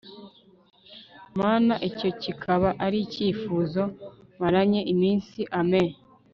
Mana icyo kikaba ari ikifuzo maranye iminsi Amen